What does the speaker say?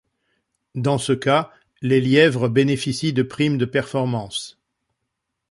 Dans ce cas, les lièvres bénéficient de primes de performance.